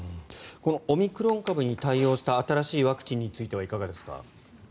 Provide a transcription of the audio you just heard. このオミクロン株に対応した新しいワクチンについてはいかがですか？